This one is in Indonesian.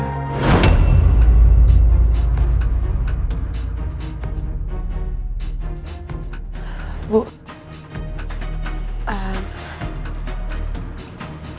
kamu ada masalah